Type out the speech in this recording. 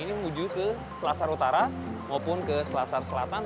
ini menuju ke selasar utara maupun ke selasar selatan